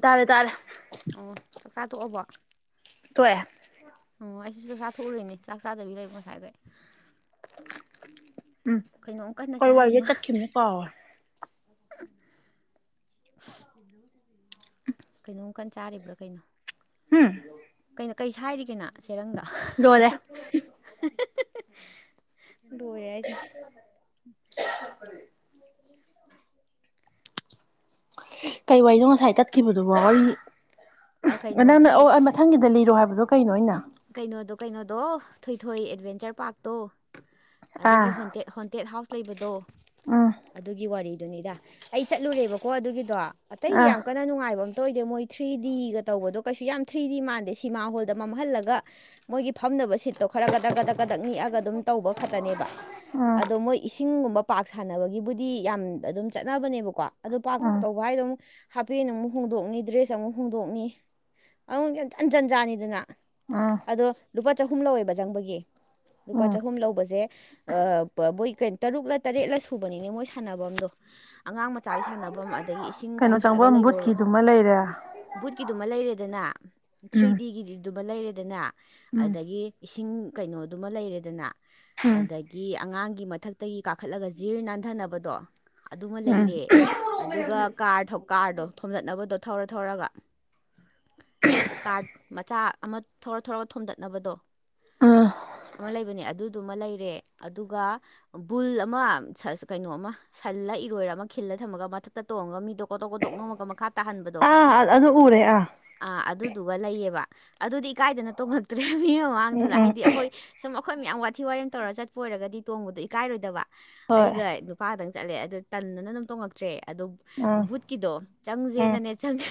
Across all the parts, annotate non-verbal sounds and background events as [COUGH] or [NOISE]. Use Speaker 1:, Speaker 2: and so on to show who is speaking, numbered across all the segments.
Speaker 1: ꯇꯥꯔꯦ ꯇꯥꯔꯦ
Speaker 2: ꯑꯣ ꯆꯥꯛꯆꯥ ꯇꯣꯛꯑꯕꫭ
Speaker 1: ꯇꫭꯑꯦ
Speaker 2: ꯑꯣ ꯑꯩꯁꯨ ꯆꯥꯛ ꯆꯥꯊꯣꯛꯎꯔꯏꯅꯦ ꯆꯥꯛ ꯆꯥꯗꯕꯤ ꯂꯩ ꯉꯁꯥꯏꯈꯩ
Speaker 1: ꯎꯝ
Speaker 2: ꯀꯩꯅꯣꯝ ꯀꯟꯅ
Speaker 1: ꯀꯩ
Speaker 2: ꯆꯥꯔꯤꯃ
Speaker 1: ꯋꯥꯔꯤꯗ ꯇꯠꯈꯤꯕꯅꯣ ꯀꯥꯎꯔꯦ
Speaker 2: ꯀꯩꯅꯣꯝ ꯀꯥꯟ ꯆꯥꯔꯤꯕ꯭ꯔꯥ ꯀꯩꯅꯣ
Speaker 1: ꯍꯝ
Speaker 2: ꯑ ꯀꯩ ꯁꯥꯏꯔꯤꯒꯦ ꯅꯪ ꯆꯦꯔꯪꯗꫭ
Speaker 1: ꯂꯣꯏꯔꯦ
Speaker 2: ꯂꫭꯏꯔꯦꯍꯥꯏꯁꯤꯅꯤ
Speaker 1: [UNINTELLIGIBLE] ꯀꯩ ꯋꯥꯔꯤꯅꫭ ꯉꯁꯥꯏ ꯇꯠꯈꯤꯕꯗꯨꯕꯣ ꯅꯪꯅ
Speaker 2: ꯀꯩꯅꯣꯒꯤ
Speaker 1: ꯑꯣ ꯑꯩ ꯃꯊꯪꯒꯤꯗ ꯂꯤꯔꯣ ꯍꯥꯏꯕꯗꯣ ꯀꯩꯅꫭ ꯑꯩꯅ
Speaker 2: ꯀꯩꯅꯣꯗꯣ ꯀꯩꯅꯣꯗꯣ ꯊꯣꯏꯊꯣꯏ ꯑꯦꯗꯚꯦꯟꯆꯔ ꯄꯥꯔꯛꯇꯣ ꯑꯗꯨꯗꯒꯤ
Speaker 1: ꯑꯥ
Speaker 2: ꯍꯣꯟꯇꯦ ꯇꯦꯠ ꯍꯥꯎꯁ ꯂꯩꯕꯗꯣ
Speaker 1: ꯎꯝ
Speaker 2: ꯑꯗꯨꯒꯤ ꯋꯥꯔꯤꯗꯨꯅꯤꯗ ꯑꯩ ꯆꯠꯂꯨꯔꯦꯕꯀꯣ ꯑꯗꯨꯒꯤꯗꯣ ꯑꯇꯩꯗꯤ
Speaker 1: ꯑꯥ
Speaker 2: ꯌꯥꯝ ꯀ ꯅꯨꯡꯉꯥꯏꯕ ꯑꯝꯇ ꯑꯣꯏꯗꯦ ꯃꯣꯏ ꯊ꯭ꯔꯤ ꯗꯤꯒ ꯇꯧꯕꯗꯣ ꯀꯩꯁꯨ ꯌꯥꯝ ꯊ꯭ꯔꯤ ꯗꯤ ꯃꯥꯟꯗꯦ ꯁꯤꯃꯥ ꯍꯣꯜꯗ ꯃꯝꯍꯜꯂꯒ ꯒ ꯃꯣꯏꯒꯤ ꯐꯝꯗꯅꯕ ꯁꯤꯠꯇꯣ ꯈꯔ ꯀꯗꯛ ꯀꯗꯛ ꯄꯗꯛ ꯅꯤꯛꯑꯒ ꯑꯗꯨꯝ ꯇꯧꯕ ꯐꯠꯇꯅꯦꯕ
Speaker 1: ꯎꯝ
Speaker 2: ꯑꯗꯣ ꯃꯣꯏ ꯏꯁꯤꯡꯒꯨꯝꯕ ꯄꯥꯛ ꯁꯥꯟꯅꯕꯒꯤꯕꯨꯗꯤ ꯌꯥꯝ ꯑꯗꯨꯝ ꯆꯠꯅꯕꯅꯦꯕꯀꯣ ꯑꯗꯨ ꯄꯥꯛ
Speaker 1: ꯎꯝ
Speaker 2: ꯇꯧꯕ ꯍꯥꯏ ꯑꯗꯨꯝ ꯍꯥꯄꯦꯟ ꯑꯃꯨꯛ ꯍꯣꯡꯗꯣꯛꯅꯤ ꯗ꯭ꯔꯦꯁ ꯑꯃꯨꯛ ꯍꯣꯡꯗꯣꯛꯅꯤ ꯑꯃꯨꯛ ꯌꯥꯝ ꯖꯟꯖꯥꯟꯅꯤꯗꯅ
Speaker 1: ꯎꯝ
Speaker 2: ꯑꯗꯣ ꯂꯨꯄꯥ ꯆꯍꯨꯝ ꯂꯧꯋꯦꯕ ꯆꯪꯕꯒꯤ ꯂꯨꯄꯥ
Speaker 1: ꯎꯝ
Speaker 2: ꯆꯍꯨꯝ ꯂꯧꯕꯁꯦ ꯃꯣꯏ ꯀꯩ ꯇꯔꯨꯛꯂ ꯇꯔꯦꯠꯂ ꯁꯨꯕꯅꯤꯅꯦ ꯃꯣꯏ ꯁꯥꯟꯅꯐꯝꯗꯣ ꯑꯉꯥꯡ ꯃꯆꯥꯒꯤ ꯁꯥꯟꯅꯕꯝ ꯑꯗꯒꯤ ꯏꯁꯤꯡ
Speaker 1: ꯀꯩꯅꯣ
Speaker 2: ꯆꯥꯏꯈꯠꯂꯒ
Speaker 1: ꯆꯪꯕꯝ
Speaker 2: ꯂꯩꯕ
Speaker 1: ꯕꯨꯠꯀꯤꯗꯨꯃ ꯂꯩꯔꯦ
Speaker 2: ꯕꯨꯠꯀꯤꯗꯨꯃ ꯂꯩꯔꯦꯗꯅ ꯊ꯭ꯔꯤ
Speaker 1: ꯎꯝ
Speaker 2: ꯗꯤꯒꯤ ꯗꯨꯃ ꯂꯩꯔꯦꯗꯅ
Speaker 1: ꯎꯝ
Speaker 2: ꯑꯗꯒꯤ ꯏꯁꯤꯡ ꯀꯩꯅꯣꯗꯨꯃ ꯂꯩꯔꯦꯗꯅ
Speaker 1: ꯎꯝ
Speaker 2: ꯑꯗ ꯒꯤ ꯑꯉꯥꯡꯒꯤ ꯃꯊꯛꯇꯒꯤ ꯀꯥꯈꯠꯂꯒ ꯖꯤꯔ ꯅꯥꯟꯊꯅꯕꯗꯣ ꯑꯗꯨꯃ
Speaker 1: ꯎꯝ
Speaker 2: ꯂꯩꯔꯦ ꯑꯗꯨꯒ ꯀꯥꯔ ꯀꯥꯔꯗꯣ ꯊꯣꯝꯖꯠꯅꯕꯗꯣ ꯊꯧꯔ ꯊꯧꯔꯒ ꯀꯥꯔꯠ ꯃꯆꯥ ꯑꯃ ꯊꯧꯔ ꯊꯧꯔꯒ ꯊꯣꯝꯗꯠꯅꯕꯗꯣ
Speaker 1: ꯎꯝ
Speaker 2: ꯑꯃ ꯂꯩꯕꯅꯦ ꯑꯗꯨꯗꯨꯃ ꯂꯩꯔꯦ ꯑꯗꯨꯒ ꯕꯨꯜ ꯑꯃ ꯀꯩꯅꯣ ꯑꯃ ꯁꯜꯂ ꯏꯔꯣꯏꯔ ꯑꯃ ꯈꯤꯜꯂ ꯊꯝꯃꯒ ꯃꯊ ꯇ ꯇꯣꯡꯉꯒ ꯃꯤꯗꯣ ꯀꯣꯇꯣꯛ ꯀꯣꯇꯣꯛ ꯉꯝꯉꯒ ꯃꯈꯥ ꯇꯥꯍꯟꯕꯗꯣ
Speaker 1: ꯑꯥ ꯑꯗꯨ ꯎꯔꯦ ꯑꯥ
Speaker 2: ꯑꯥ ꯑꯗꯨꯗꯨꯒ ꯂꯩꯌꯦꯕ ꯑꯗꯨꯗꯤ ꯏꯀꯥꯏꯗꯅ ꯇꯣꯡꯉꯛꯇ꯭ꯔꯦ ꯃꯤ
Speaker 1: ꯎꯝ
Speaker 2: ꯃꯃꯥꯡꯗꯨꯗ
Speaker 1: ꯎꯝ
Speaker 2: ꯍꯥꯏꯗꯤ ꯑꯩꯈꯣꯏ ꯁꯨꯝ ꯑꯩꯈꯣꯏ ꯃꯌꯥꯝ ꯋꯥꯊꯤ ꯋꯥꯔꯦꯝ ꯇꯧꯔꯒ ꯆꯠꯄ ꯑꯣꯏꯔꯒꯗꯤ ꯇꯣꯡꯕꯗꯣ ꯏꯀꯥꯏꯔꯣꯏꯗꯕ
Speaker 1: ꯍꯣꯏ
Speaker 2: ꯑꯩꯒ ꯅꯨꯄꯥꯗꯪ ꯆꯠꯂꯦ ꯑꯗꯣ ꯇꯟꯅꯅ ꯑꯗꯨꯝ ꯇꯣꯡꯉꯛꯇ꯭ꯔꯦ ꯑꯗꯨ
Speaker 1: ꯎꯝ
Speaker 2: ꯕꯨꯠꯀꯤꯗꯣ
Speaker 1: ꯎꯝ
Speaker 2: ꯆꯪꯁꯦꯅꯅꯦ ꯆꯪꯉ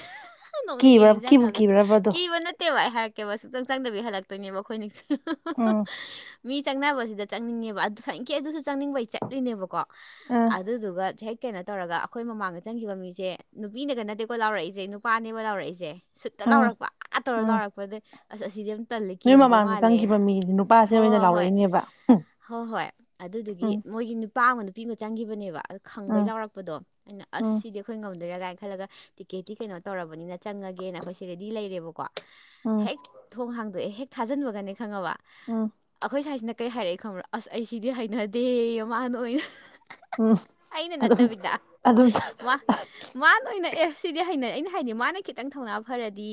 Speaker 2: ꯅ‌ꯣꯛꯅꯤꯡꯉꯦ
Speaker 1: ꯀꯤꯕ꯭ꯔꯥ ꯀꯤꯕꯨ
Speaker 2: ꯅꯤꯡꯁꯪꯉꯒ
Speaker 1: ꯀꯤꯕ꯭ꯔꯕ ꯑꯗꯣ
Speaker 2: ꯀꯤꯕ ꯅꯠꯇ ꯇꯦꯕ ꯑꯩ ꯍꯥꯏꯔꯛꯀꯦꯕ ꯁꯨꯛꯆꯪ ꯆꯪꯗꯕꯤ ꯍꯜꯂꯛꯇꯣꯏꯅꯦꯕ ꯑꯩꯈꯣꯏ ꯅꯤꯡꯁꯤꯡ
Speaker 1: ꯎꯝ
Speaker 2: ꯃꯤ ꯆꯪꯅꯕꯁꯤꯗ ꯆꯪꯅꯤꯡꯉꯦꯕ ꯑꯗꯨꯁꯨ ꯊꯋ‌ꯣꯏꯀꯤ ꯑꯗꯨꯁꯨ ꯆꯪꯅꯤꯡꯕꯩ ꯆꯠ ꯆꯠꯂꯤꯅꯦꯕꯀꯣ
Speaker 1: ꯑꯥ
Speaker 2: ꯑꯗꯨꯗꯨꯒ ꯍꯦꯛ ꯀꯩꯅꯣ ꯇꯧꯔꯒ ꯑꯩꯈꯣꯏ ꯃꯃꯥꯡꯗ ꯆꯪꯈꯤꯕ ꯃꯤꯁꯦ ꯅꯨꯄꯤꯅꯒ ꯅꯠꯇꯦꯀꯣ ꯂꯥꯎꯔꯛꯏꯖ‌ꯦ ꯅꯨꯄꯥꯅꯦꯕ ꯂꯥꯎꯔꯛꯏꯖ‌ꯦ ꯁꯨꯠꯇ
Speaker 1: ꯎꯝ
Speaker 2: ꯂꯥꯎꯔꯛꯄ ꯑꯥ ꯇꯧꯔ
Speaker 1: ꯎꯝ
Speaker 2: ꯂꯥꯎꯔꯛꯄꯗꯩ ꯑꯁ ꯑꯁꯤꯗꯤ ꯌꯥꯝ ꯇꯜꯂꯦ
Speaker 1: ꯅꯣꯏ
Speaker 2: ꯀꯤꯔꯝꯗꯣꯏ
Speaker 1: ꯃꯃꯥꯡꯗ
Speaker 2: ꯃꯥꯜꯂꯦꯅ
Speaker 1: ꯆꯪꯈꯤꯕ ꯃꯤꯗꯤ ꯅꯨꯄꯥꯁꯦ
Speaker 2: ꯍꯣ
Speaker 1: ꯑꯣꯏꯅ
Speaker 2: ꯍꯣ ꯍꯣꯏ
Speaker 1: ꯂꯥꯎꯔꯛꯏꯅꯦꯕ ꯎꯝ
Speaker 2: ꯍꯣ ꯍꯣꯏ ꯑꯗꯨꯗꯨꯒꯤ
Speaker 1: ꯎꯝ
Speaker 2: ꯃꯣꯏꯒꯤ ꯅꯨꯄꯥ ꯑꯝꯒ ꯅꯨꯄꯤ ꯑꯃ ꯆꯪꯈꯤꯕꯅꯦꯕ ꯑꯣ ꯈꯪꯕꯩ
Speaker 1: ꯎꯝ
Speaker 2: ꯂꯥꯎꯔꯛꯄꯗꯣ ꯑꯩꯅ ꯑꯁ
Speaker 1: ꯎꯝ
Speaker 2: ꯁꯤꯗꯤ ꯑꯩꯈꯣꯏ ꯉꯝꯗꯣꯏꯔꯥ ꯀꯥꯏꯅ ꯈꯜꯂꯒ ꯇꯤꯛꯀꯦꯠꯇꯤ ꯀꯩꯅꯣ ꯇꯧꯔꯕꯅꯤꯅ ꯆꯪꯉꯒꯦꯅ ꯑꯩꯈꯣꯏꯁꯦ ꯔꯦꯗꯤ ꯂꯩꯔꯦꯕꯀꯣ
Speaker 1: ꯎꯝ
Speaker 2: ꯍꯦꯛ ꯊꯣꯡ ꯍꯥꯡꯗꯣꯛꯑꯦ ꯍꯦꯛ ꯊꯥꯖꯤꯟꯕꯒꯅ‌ꯦ ꯈꯪꯉꯕ
Speaker 1: ꯎꯝ
Speaker 2: ꯑꯩꯈꯣꯏ ꯁꯥꯏꯁꯤꯅ ꯀꯩ ꯍꯥꯏꯔꯛꯏ ꯈꯪꯕ꯭ꯔꯥ ꯑꯁ ꯑꯩ ꯁꯤꯗꯤ ꯍꯩꯅꯗꯦ‌‌ꯍ‌ꯦ ꯃꯥꯅ ꯑꯣꯏꯅ
Speaker 1: ꯎꯝ
Speaker 2: ꯑꯩꯅ
Speaker 1: ꯑꯗꯨꯝ
Speaker 2: ꯅꯠꯇꯕꯤꯗ
Speaker 1: ꯑꯗꯨꯝ
Speaker 2: ꯃꯥ ꯃꯥꯅ ꯑꯣꯏꯅ ꯑꯦ ꯁꯤꯗꯤ ꯍꯥꯏꯅꯩ ꯑꯩꯅ ꯍꯥꯏꯗꯤ ꯃꯥꯅ ꯈꯤꯇꯪ ꯊꯧꯅꯥ ꯐꯔꯗꯤ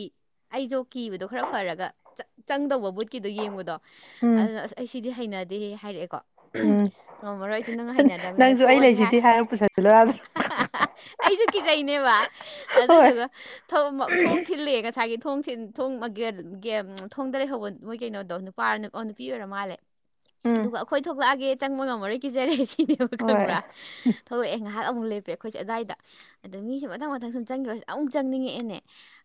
Speaker 2: ꯑꯩꯖ‌ꯣ ꯀꯤꯕꯗꯣ ꯈꯔ ꯐꯔꯒ ꯆ ꯆꯪꯗꯧꯕ ꯕꯨꯠꯀꯤꯗ‌ꯣ ꯌꯦꯡꯕꯗꯣ
Speaker 1: ꯎꯝ
Speaker 2: ꯑꯗꯨꯅ ꯑꯁ ꯑꯩ ꯁꯤꯗꯤ ꯍꯩꯅꯗꯦꯍ‌ꯦ ꯍꯥꯏꯔꯛꯑꯦꯀꯣ
Speaker 1: ꯎꯝ
Speaker 2: ꯉꯝꯃꯔꯣꯏ ꯑꯩꯁꯨ ꯅꯪ ꯍꯩꯅꯗ꯭ꯔꯕꯅꯤꯅ
Speaker 1: ꯅꯪꯁꯨ ꯑꯩ
Speaker 2: ꯊꯣꯛꯑꯁꯦ ꯍꯥꯏ
Speaker 1: ꯂꯩꯁꯤꯗꯤ ꯍꯥꯏꯔ ꯄꯨꯁꯜꯂꯣ ꯌꯥꯗ꯭ꯔꯣ
Speaker 2: ꯑꯩꯖꯨ ꯀꯤꯖꯩꯅꯦꯕ
Speaker 1: ꯍꯣꯏ
Speaker 2: ꯑꯗꯨꯗꯨꯒ ꯊ‌ꯣꯝ ꯊꯣꯡ ꯊꯤꯜꯂꯛꯑꯦ ꯉꯁꯥꯏꯒꯤ ꯊ‌ꯣꯡ ꯊꯤꯟ ꯊ‌ꯣꯡ ꯒꯌ ꯒ‌ꯦꯝ ꯊꯣꯡꯗ ꯂꯩꯍꯧꯕ ꯃꯣꯏ ꯀꯩꯅꯣꯗꯣ ꯅꯨꯄꯥꯔ ꯑꯣ ꯅꯨꯄꯤ ꯑꯣꯏꯔ ꯃꯥꯜꯂꯦ
Speaker 1: ꯎꯝ
Speaker 2: ꯑꯗꯨꯒ ꯑꯩꯈꯣꯏ ꯊꯣꯛꯂꯛꯑꯒꯦ ꯆꯪꯕ ꯉꯝꯃꯔꯣꯏ ꯀꯤꯖꯔꯦ ꯁꯤꯅꯦꯕ
Speaker 1: ꯍꯣꯏ
Speaker 2: ꯈꯪꯕ꯭ꯔꯥ ꯊ‌ꯣꯛꯂꯛꯑꯦ ꯉꯥꯍꯥꯛ ꯑꯃꯨꯛ ꯂ‌ꯦꯞꯄꯦ ꯑꯩꯈꯣꯏꯁꯦ ꯑꯗ꯭ꯋꯥꯏꯗ ꯑꯗꯣ ꯃꯤꯁꯦ ꯃꯊꯪ ꯃꯊꯪ ꯁꯨꯝ ꯆꯪꯈꯤꯕꯁ ꯑꯃꯨꯛ ꯆꯪꯅꯤꯡꯉꯛꯑꯦꯅꯦ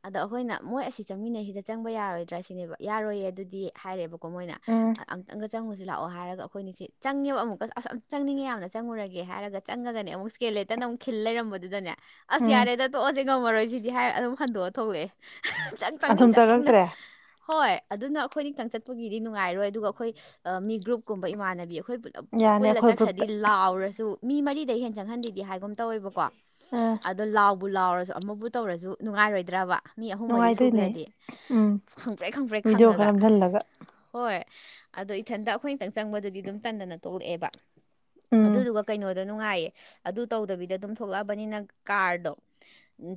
Speaker 2: ꯑꯗꯣ ꯑꯩꯈꯣꯏꯅ ꯃꯣꯏ ꯑꯁꯤ ꯆꯪꯃꯤꯟꯅꯩꯁꯤꯗ ꯆꯪꯕ ꯌꯥꯔꯣꯏꯗ꯭ꯔꯥ ꯁꯤꯅꯦꯕ ꯌꯥꯔꯣꯏꯌꯦ ꯑꯗꯨꯗꯤ ꯍꯥꯏꯔꯦꯑꯦꯕꯀꯣ ꯃꯣꯏꯅ
Speaker 1: ꯎꯝ
Speaker 2: ꯑꯨꯛꯇꯪꯒ ꯆꯪꯉꯨꯁꯤ ꯂꯥꯛꯑꯣ ꯍꯥꯏꯔꯒ ꯑꯩꯈꯣꯏꯅꯤꯁꯤꯦꯡ ꯆꯪꯉꯦꯕ ꯑꯃꯨꯛꯀ ꯑꯁ ꯑꯝ ꯆꯪꯅꯤꯡꯉꯦ ꯌꯥꯝꯅ ꯆꯪꯉꯨꯔꯒꯦ ꯍꯥꯏꯔꯒ ꯆꯪꯉꯒꯅꯦ ꯑꯃꯨꯛ ꯏꯁ꯭ꯀꯦꯜꯂ‌ꯦꯇꯜ ꯑꯃꯨꯛ ꯈꯤꯜ ꯂꯩꯔꯝꯕꯗꯨꯗꯅꯦ ꯑꯁ
Speaker 1: ꯎꯝ
Speaker 2: ꯌꯥꯔꯦꯗ ꯇꯣꯛꯑꯁꯦ ꯉꯝꯃꯔꯣꯏ ꯁꯤꯗꯤ ꯍꯥꯏꯔ ꯑꯗꯨꯝ ꯍꯟꯗꯣꯛꯑ ꯊꯣꯛꯂꯛꯑꯦ ꯆꯪ ꯆꯪꯅꯤꯡ
Speaker 1: ꯑꯗꯨꯝ
Speaker 2: ꯆꯠ
Speaker 1: ꯆꯪꯉꯛꯇ꯭ꯔꯦ
Speaker 2: ꯍꯣꯏ ꯑꯗꯨꯅ ꯑꯩꯈꯣꯏꯅꯤ ꯈꯛꯇꯪ ꯆꯠꯄꯒꯤꯗꯤ ꯅꯨꯡꯉꯥꯏꯔꯣꯏ ꯑꯗꯨꯒ ꯑꯩꯈꯣꯏ ꯃꯤ ꯒ꯭ꯔꯨꯞꯀꯨꯝꯕ ꯏꯃꯥꯟꯅꯕꯤ ꯑꯩꯈꯣꯏ ꯄꯨꯜ
Speaker 1: ꯌꯥꯅꯤ
Speaker 2: ꯄꯨꯜꯂ
Speaker 1: ꯑꯩꯈꯣꯏ
Speaker 2: ꯆꯠꯈ꯭ꯔꯗꯤ
Speaker 1: ꯒ꯭ꯔꯨꯞꯇ
Speaker 2: ꯂꯥꯎꯔꯁꯨ ꯃꯤ ꯃꯔꯤꯗꯩ ꯍꯦꯟ ꯆꯪꯍꯟꯗꯦꯗꯤ ꯍꯥꯏꯒꯨꯝ ꯇꯧꯋꯦꯕꯀꯣ
Speaker 1: ꯑꯥ
Speaker 2: ꯑꯗꯣ ꯂꯥꯎꯕꯨ ꯂꯥꯎꯔꯁꯨ ꯑꯃꯕꯨ ꯇꯧꯔꯁꯨ ꯅꯨꯡꯉꯥꯏꯔꯣꯏꯗ꯭ꯔꯕ ꯃꯤ ꯑꯍꯨꯝ ꯃꯔꯤ
Speaker 1: ꯅꯨꯡꯉꯥꯏꯗꯣꯏꯅꯦ
Speaker 2: ꯁꯨꯈ꯭ꯔꯗꯤ
Speaker 1: ꯎꯝ
Speaker 2: ꯈꯪꯄ꯭ꯔ‌ꯦꯛ ꯈꯪꯄ꯭ꯔ‌ꯦꯛ
Speaker 1: ꯚꯤꯗꯤꯑꯣ
Speaker 2: ꯈꯪꯉꯒ
Speaker 1: ꯈꯔ ꯅꯝꯁꯤꯜꯂꯒ
Speaker 2: ꯍꯣꯏ ꯑꯗꯣ ꯏꯊꯟꯇ ꯑꯩꯈꯣꯏ ꯅꯤꯇꯪ ꯆꯪꯕꯗꯨꯗꯤ ꯑꯗꯨꯝ ꯇꯟꯗꯅ ꯇ‌ꯣꯛꯂꯛꯑꯦꯕ
Speaker 1: ꯎꯝ
Speaker 2: ꯑꯗꯨꯗꯨꯒ ꯀꯩꯅꯣꯗ ꯅꯨꯡꯉꯥꯏꯌꯦ ꯑꯗꯨ ꯇꯧꯗꯕꯤꯗ ꯑꯗꯨꯝ ꯊꯣꯛꯂꯛꯑꯕꯅꯤꯅ ꯀꯥꯔꯗꯣ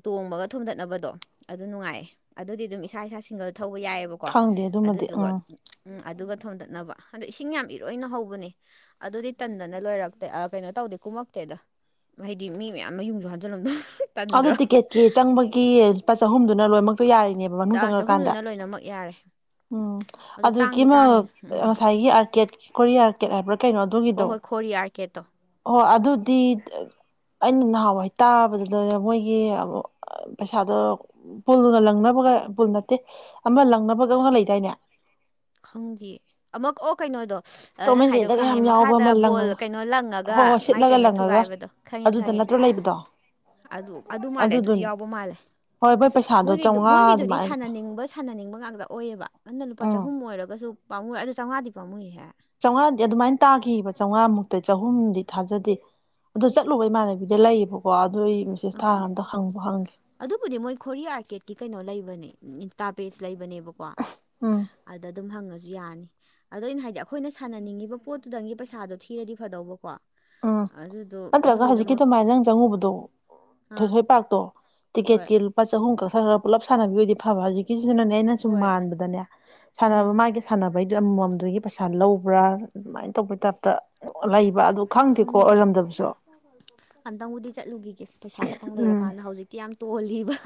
Speaker 2: ꯇꯣꯡꯕꯒ ꯊꯣꯝꯗꯠꯅꯕꯗꯣ ꯑꯗꯨ ꯅꯨꯡꯉꯥꯏꯌꯦ ꯑꯗꯨꯗꯤ ꯑꯗꯨꯝ ꯏꯁꯥ ꯏꯁꯥ ꯁꯤꯡꯒꯜ ꯊꯧꯕ ꯌꯥꯏꯕꯀꯣ ꯀꯣ
Speaker 1: ꯈꯪꯗꯦ ꯑꯗꯨꯃꯗꯤ
Speaker 2: ꯑꯗꯨꯗꯨꯒ
Speaker 1: ꯎꯝ
Speaker 2: ꯎꯝ ꯑꯗꯨꯒ ꯊꯣꯟꯗꯠꯅꯕ ꯑꯗꯣ ꯏꯁꯤꯡ ꯌꯥꯝ ꯏꯔꯣꯏꯅ ꯍꯧꯕꯅꯦ ꯑꯗꯨꯗꯤ ꯇꯟꯗꯅ ꯂꯣꯏꯔꯛꯇꯦ ꯑꯥ ꯀꯩꯅꯣ ꯇꯧꯗꯦ ꯀꯨꯝꯃꯛꯇꯦꯗ ꯍꯥꯏꯗꯤ ꯃꯤ ꯃꯌꯥꯝ ꯃꯌꯨꯡꯁꯨ ꯍꯥꯟꯖꯤꯜꯂꯝꯗ [INAUDIBLE]
Speaker 1: ꯑꯗꯨ ꯇꯤꯛꯀꯦꯠꯀꯤ ꯆꯪꯕꯒꯤ ꯂꯨꯄꯥ ꯆꯍꯨꯝꯗꯨꯅ ꯂꯣꯏꯅꯃꯛ ꯄ ꯌꯥꯔꯤꯅꯦꯕ ꯃꯅꯨꯡ
Speaker 2: ꯆꯥ
Speaker 1: ꯆꯪꯈ꯭ꯔꯀꯥꯟꯗ
Speaker 2: ꯆꯍꯨꯝꯗꯨꯅ ꯂꯣꯏꯅꯃꯛ ꯌꯥꯔꯦ
Speaker 1: ꯎꯝ
Speaker 2: ꯑꯗꯣ
Speaker 1: ꯑꯗꯨꯒꯤ
Speaker 2: ꯇꯥꯡꯗꯤ
Speaker 1: ꯑꯃ
Speaker 2: ꯇꯥꯡꯉꯤ ꯎꯝ
Speaker 1: ꯉꯁꯥꯏꯒꯤ ꯑꯥꯔꯀꯦꯠ ꯈꯣꯔꯤ ꯑꯥꯔꯀꯦꯠ ꯍꯥꯏꯕ꯭ꯔꯥ ꯀꯩꯅꯣ ꯑꯗꯨꯒꯤꯗꯣ
Speaker 2: ꯀ‌ꯦꯠꯇꯣ
Speaker 1: ꯍꯣꯏ ꯑꯗꯨꯗꯤ ꯑꯩꯅ ꯅꯍꯥꯟꯋꯥꯏ ꯇꯥꯕꯗꯨꯗ ꯃꯣꯏꯒꯤ ꯄꯩꯁꯥꯗꯣ ꯄꯨꯜꯅ ꯂꯪꯅꯕꯒ ꯄꯨꯜ ꯅꯠꯇꯦ ꯑꯃ ꯂꯪꯅꯕꯒ ꯑꯃꯒ ꯂꯩꯗꯥꯏꯅꯦ
Speaker 2: ꯈꯪꯗꯤꯌꯦ ꯑꯃ ꯑꯣ ꯀꯩꯅꯣꯗꯣ ꯑ
Speaker 1: ꯇꯣꯝ
Speaker 2: ꯅꯪ
Speaker 1: ꯑꯦꯟ
Speaker 2: ꯍꯥꯏꯗꯣ
Speaker 1: ꯖꯦꯔꯤꯗꯒ
Speaker 2: ꯈꯪꯉꯦ
Speaker 1: ꯌꯥꯝ ꯌꯥꯎꯕ
Speaker 2: ꯃꯈꯥꯗ
Speaker 1: ꯑꯃ
Speaker 2: ꯕꯣꯜ
Speaker 1: ꯂꯪꯉꯒ
Speaker 2: ꯀꯩꯅꯣ ꯂꯪꯉꯒ
Speaker 1: ꯍꯣꯏ ꯍꯣꯏ
Speaker 2: ꯃꯥꯏ
Speaker 1: ꯁꯤꯠꯂꯒ
Speaker 2: ꯀꯩꯅꯣ
Speaker 1: ꯂꯪꯉꯒ
Speaker 2: ꯊꯨꯒꯥꯏꯕꯗꯣ ꯈꯪꯉꯦ
Speaker 1: ꯑꯗꯨꯗ
Speaker 2: ꯈꯪꯉꯦ
Speaker 1: ꯅꯠꯇ꯭ꯔꯣ ꯂꯩꯕꯗꯣ
Speaker 2: ꯑꯗꯨ ꯑꯗꯨ ꯃꯥꯜꯂꯦ ꯑꯗꯨꯁꯨ
Speaker 1: ꯑꯗꯨꯗꯨꯅꯤ
Speaker 2: ꯌꯥꯎꯕ ꯃꯥꯜꯂꯦ
Speaker 1: ꯍꯣꯏ ꯃꯣꯏ ꯄꯩꯁꯥꯗꯣ
Speaker 2: ꯃꯣꯏꯒꯤ
Speaker 1: ꯆꯧꯉꯥ
Speaker 2: ꯃꯣꯏꯒꯤꯗꯨꯗꯤ
Speaker 1: ꯑꯗꯨꯃꯥꯏꯅ
Speaker 2: ꯁꯥꯟꯅꯅꯤꯡꯕ ꯁꯥꯟꯅꯅꯤꯡꯕ ꯉꯥꯛꯇ ꯑꯣꯏꯌꯦꯕ ꯅꯪꯅ ꯂꯨꯄꯥ
Speaker 1: ꯎꯝ
Speaker 2: ꯆꯍꯨꯝ ꯑꯣꯏꯔꯒꯁꯨ ꯄꯥꯝꯃꯨꯔꯦ ꯑꯗꯨ ꯆꯧꯉꯥꯗꯤ ꯄꯥꯝꯃꯨꯏꯍꯦ
Speaker 1: ꯆꯧꯉꯥꯗꯤ ꯑꯗꯨꯃꯥꯏꯅ ꯇꯥꯈꯤꯕ ꯆꯧꯉꯥ ꯃꯨꯛꯇꯤ ꯆꯍꯨꯝꯗꯤ ꯊꯥꯖꯗꯦ ꯑꯗꯨ ꯆꯠꯂꯨꯕꯩ ꯏꯃꯥꯟꯅꯕꯤꯗ ꯂꯩꯌꯦꯕꯀꯣ ꯑꯗꯨ ꯑꯩ ꯃꯦꯁꯦꯁ ꯊꯥ
Speaker 2: ꯑꯥ
Speaker 1: ꯑꯝꯇ ꯍꯪꯕꯨ ꯍꯪꯒꯦ
Speaker 2: ꯑꯗꯨꯕꯨꯗꯤ ꯃꯣꯏ ꯈꯣꯔꯤ ꯑꯥꯔꯀꯦꯠꯀꯤ ꯀꯩꯅꯣ ꯂꯩꯕꯅꯦ ꯏꯟꯁꯇꯥ ꯄꯦꯁ ꯂꯩꯕꯅꯦꯕꯀꯣ
Speaker 1: ꯎꯝ
Speaker 2: ꯑꯗꯗꯨꯝ ꯍꯪꯉꯁꯨ ꯌꯥꯅꯤ ꯑꯗꫭ ꯑꯩꯅ ꯍꯥꯏꯗꯤ ꯑꯩꯈꯣꯏꯅ ꯁꯥꯟꯅꯅꯤꯡꯉꯤ ꯄꯣꯠꯇꯨꯗꯪꯒꯤ ꯄꯩꯁꯥꯗꯣ ꯊꯤꯔꯗꯤ ꯐꯗꯧꯕꯀꯣ
Speaker 1: ꯎꯝ
Speaker 2: ꯑꯗꯨꯗꯣ ꯃꯣꯏ
Speaker 1: ꯅꯠꯇ꯭ꯔꯒ ꯍꯧꯖꯤꯛꯀꯤ
Speaker 2: ꯂꯣꯏꯅꯃꯛ
Speaker 1: ꯑꯗꯨꯃꯥꯏꯅ ꯅꯪ ꯆꯪꯉꯨꯕꯗꯣ
Speaker 2: ꯑꯥ
Speaker 1: ꯊꯣꯏꯁꯣꯏꯄꯥꯛꯇꯣ
Speaker 2: ꯍꯣꯏ
Speaker 1: ꯇꯤꯛꯀꯦꯠꯀꯤ ꯂꯨꯄꯥ ꯆꯍꯨꯝ ꯈꯛ ꯊꯠꯈꯔ ꯄꯨꯜꯂꯞ ꯁꯥꯟꯅꯕꯤ ꯑꫭꯏꯗꯤ ꯐꯕ ꯍꯧꯖꯤꯛꯀꯤꯁꯤꯅꯅꯦ ꯑꯩꯅ ꯁꯨꯝ
Speaker 2: ꯍꯣꯏ
Speaker 1: ꯃꯥꯟꯕꯗꯅꯦ
Speaker 2: ꯎꯝ
Speaker 1: ꯁꯥꯟꯅꯕ ꯃꯥꯒꯤ ꯁꯥꯟꯅꯕꯩꯗꯨ ꯑꯃꯃꯝꯗꯨꯒꯤ ꯄꯩꯁꯥ ꯂꯧꯕ꯭ꯔꯥ ꯑꯗꯨꯃꯥꯏꯅ ꯇꯧꯕꯩ ꯇꯥꯏꯞꯇ ꯂꯩꯕ ꯑꯗꯨ ꯈꯪꯗꯦꯀꯣ
Speaker 2: ꯈꯪꯗꯦ
Speaker 1: ꯑꯣꯏꯔꯝꯗꯕꯁꯨ
Speaker 2: ꯑꯝꯇꯪꯕꯨꯗꯤ ꯆꯠꯂꯨꯒꯤꯒꯦ ꯄꯩꯁꯥ ꯈꯛꯇꯪ
Speaker 1: ꯎꯝ
Speaker 2: ꯂꯩꯔꯀꯥꯟꯗ ꯍꯧꯖꯤꯛ ꯌꯥꯝ ꯇꯣꯜꯂꯤꯕ